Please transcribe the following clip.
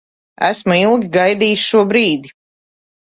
Esmu ilgi gaidījis šo brīdi.